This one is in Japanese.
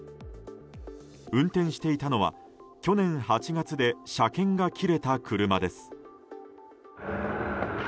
運転していたのは去年８月で車検が切れた車です。